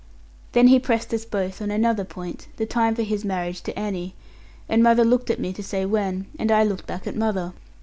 Then he pressed us both on another point, the time for his marriage to Annie; and mother looked at me to say when, and I looked back at mother.